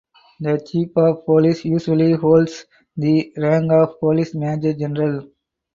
The chief of Police usually holds the rank of Police Major General.